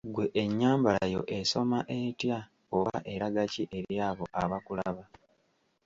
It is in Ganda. Ggwe ennyambala yo esoma etya oba eraga ki eri abo abakulaba?